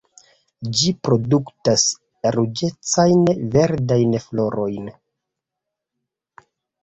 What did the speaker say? Ĝi produktas ruĝecajn verdajn florojn.